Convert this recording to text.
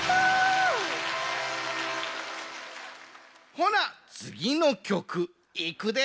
ほなつぎのきょくいくで。